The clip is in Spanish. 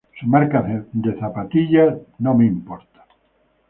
Su marca de zapatillas es "converse"